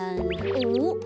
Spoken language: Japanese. おっ！